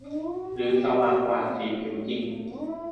หรือสว่างกว่าสีผิวจริง